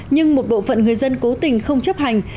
nhưng một bộ phận người dân cố tình không chấp hành